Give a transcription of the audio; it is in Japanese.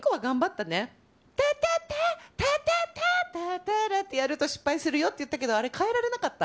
たたたー、たたたーってやると失敗するよって言ったけど、あれ、変えられなかった？